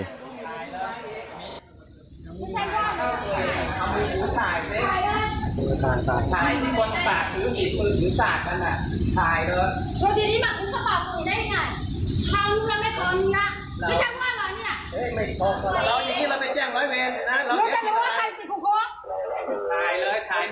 ท่านพูดอะไรพี่ชาวศาสน